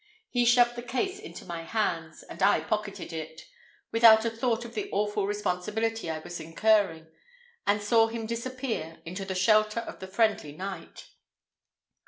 He shoved the case into my hands, and I pocketed it, without a thought of the awful responsibility I was incurring, and saw him disappear into the shelter of the friendly night.